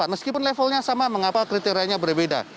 meskipun levelnya sama mengapa kriterianya berbeda